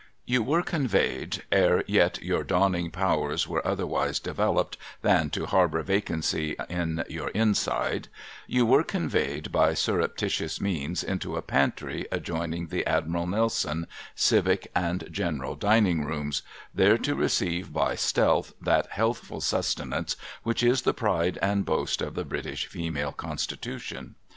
You were conveyed, — ere yet your dawning powers were other wise developed than to harbour vacancy in your inside,— you were conveyed, by surreptitious means, into a pantry adjoining the Admiral Nelson, Civic and General Dining Rooms, there to receive by stealth that healthful sustenance which is the pride and boast of the British female constitution.